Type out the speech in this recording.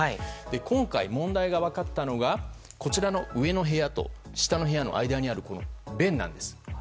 今回、問題が分かったのがこちらの上の部屋と下の部屋の間にある弁なんです。